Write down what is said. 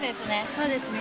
そうですね。